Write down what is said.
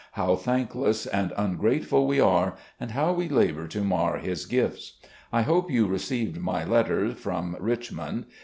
How thankless and ungrateful we are, and how we labour to mar his gifts. I hope you received my letters from Rich mond.